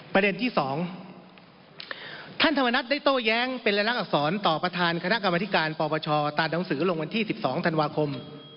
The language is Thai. ประเด็นที่๒ท่านธรรมนัฐได้โต้แย้งเป็นรายลักษรต่อประธานคณะกรรมธิการปปชตามหนังสือลงวันที่๑๒ธันวาคม